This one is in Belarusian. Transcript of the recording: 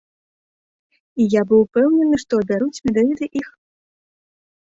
І я быў упэўнены, што абяруць менавіта іх.